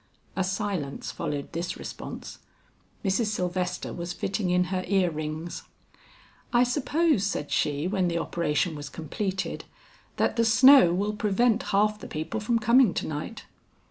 A silence followed this response; Mrs. Sylvester was fitting in her ear rings. "I suppose," said she when the operation was completed, "that the snow will prevent half the people from coming to night."